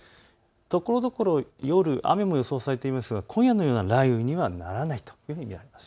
ところどころ夜、雨も予想されていますが今夜のような雷雨にはならないと見られます。